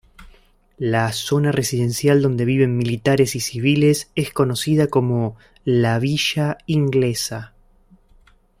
La zona residencial donde viven militares y civiles es conocida como "la villa inglesa".